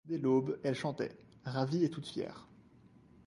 Dès l’aube, elle chantait, ravie et toute fière.